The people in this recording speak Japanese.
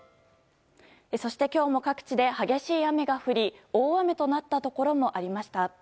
そして、今日も各地で激しい雨が降り大雨となったところもありました。